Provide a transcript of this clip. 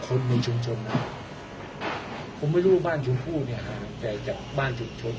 คนจนโดยชุมชนนะผมไม่รู้บ้านชุมภู่หล่างแต่จากบ้านชุมชน